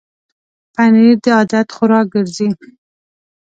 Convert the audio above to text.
پنېر د عادت خوراک ګرځي.